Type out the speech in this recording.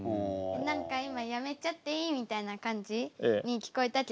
何か今「やめちゃっていい」みたいな感じに聞こえたけど。